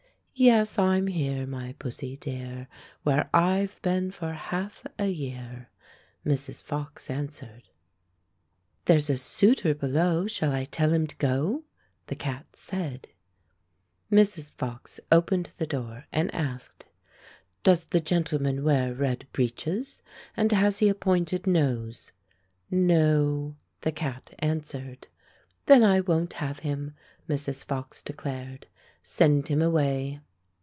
"Yes, I'm here, my pussy dear. Where I 've been for half a year," — Mrs. Fox answered. A FOX COMES TO COURT MRS. FOX 51 Fairy Tale Foxes "There's a suitor below. Shall I tell him to go?" — the cat said. Mrs. Fox opened the door and asked, "Does the gentleman wear red breeches, and has he a pointed nose?" "No," the cat answered. "Then I won't have him," Mrs. Fox de clared. "Send him away."